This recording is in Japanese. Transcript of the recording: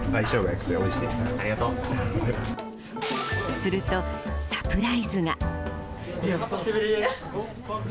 すると、サプライズが。